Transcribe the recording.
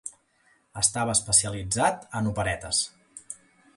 Estava especialitzat en operetes.